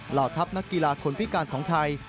เหล่าทัพนักกีฬาคนพิการของไทย